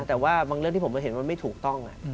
แต่ว่าบางเรื่องที่ผมเห็นมันไม่ถูกต้อง